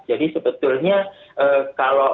jadi sebetulnya kalau